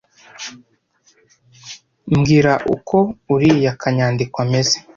mbwira uko uriya kanyandekwe ameze.